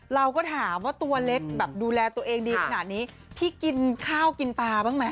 เราก็ถามว่าตัวเล็กแบบดูแลตัวเองดีขนาดนี้พี่กินข้าวกินปลาบ้างไหม